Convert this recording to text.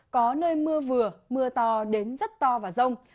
có nơi mưa vừa mưa to đến rất to và rông